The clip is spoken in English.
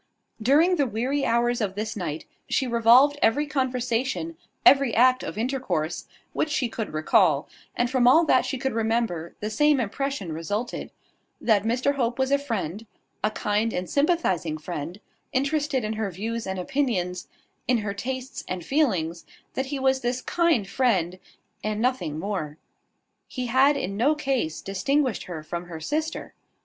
During the weary hours of this night, she revolved every conversation, every act of intercourse, which she could recall; and from all that she could remember, the same impression resulted that Mr Hope was a friend, a kind and sympathising friend interested in her views and opinions, in her tastes and feelings; that he was this kind friend, and nothing more. He had in no case distinguished her from her sister.